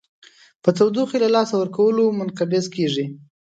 په تودوخې له لاسه ورکولو منقبض کیږي.